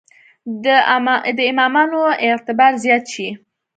د امامانو اعتبار زیات شي.